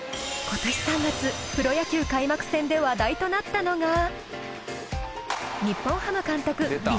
今年３月プロ野球開幕戦で話題となったのが日本ハム監督